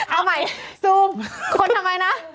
เอาใหม่ซูมคนทำไมนะ